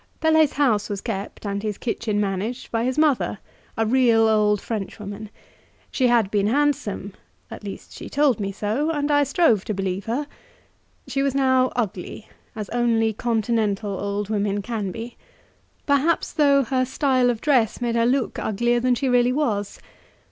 Pelet's house was kept and his kitchen managed by his mother, a real old Frenchwoman; she had been handsome at least she told me so, and I strove to believe her; she was now ugly, as only continental old women can be; perhaps, though, her style of dress made her look uglier than she really was.